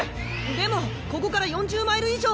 でもここから４０マイル以上も。